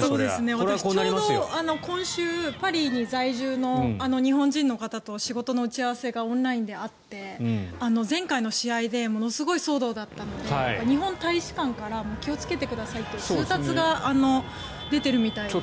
ちょうど今週パリに在住の日本人の方と仕事の打ち合わせがオンラインであって前回の試合でものすごい騒動だったので日本大使館から気をつけてくださいと通達が出ているみたいですね。